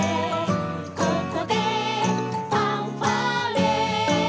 「ここでファンファーレ」